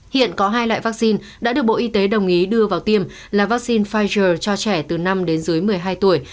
hiện có hai loại vaccine đã được bộ y tế đồng ý đưa vào tiêm là vaccine pfizer cho trẻ từ năm đến dưới một mươi hai tuổi